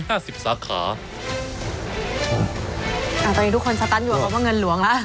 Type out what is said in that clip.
อ่ะตอนนี้ทุกคนสตันอยู่กับว่าเงินหลวงล่ะ